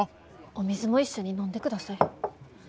お水も一緒に飲んでください。